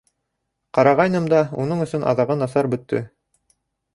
Ҡарағайным да, уның өсөн аҙағы насар бөттө.